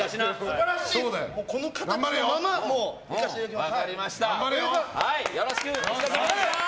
素晴らしいこの形のままいかせていただきます！